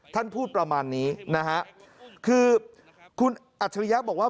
ท่านพูดประมาณนี้นะฮะคือคุณอัจฉริยะบอกว่า